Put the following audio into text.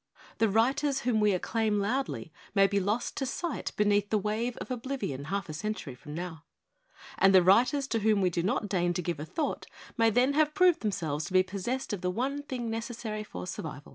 The writers whom we acclaim loudly may be lost to sight beneath the wave of oblivion half a century from now; and the writers to whom we do not deign to give a thought may then have proved themselves to be possessed of the one thing necessary for sur vival.